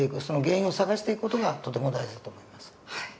その原因を探していく事がとても大事だと思います。